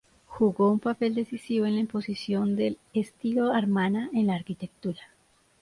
Jugó un papel decisivo en la imposición del 'estilo de Amarna' en la arquitectura.